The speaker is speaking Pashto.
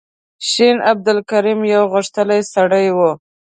شین عبدالکریم یو غښتلی سړی و.